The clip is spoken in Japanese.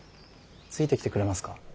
ついてきてくれますか？